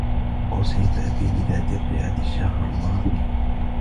أصيب أبي بذات الرئة الشهر الماضي.